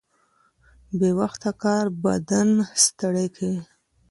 بې وخته کار بدن ستړی کوي.